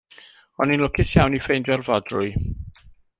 O'n i'n lwcus iawn i ffeindio'r fodrwy.